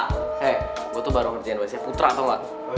hei gue tuh baru ngerjain wc putra tau gak